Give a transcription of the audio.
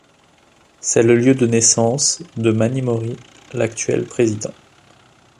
C'est le lieu de naissance de Manny Mori, l'actuel président.